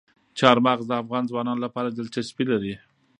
چار مغز د افغان ځوانانو لپاره دلچسپي لري.